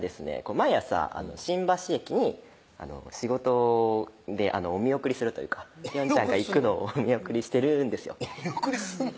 毎朝新橋駅に仕事でお見送りするというか璃音ちゃんが行くのをお見送りしてるんですよお見送りすんの？